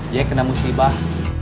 jack kena musibah